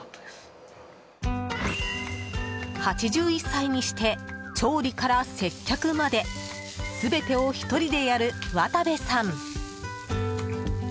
８１歳にして調理から接客まで全てを１人でやる渡部さん。